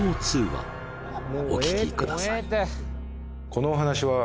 お聞きください